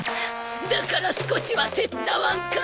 だから少しは手伝わんか！